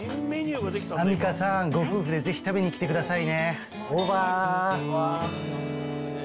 アンミカさん、ご夫婦でぜひ食べに来てくださいね。